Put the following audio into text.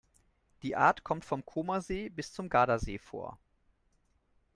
Die Art kommt vom Comer See bis zum Gardasee vor.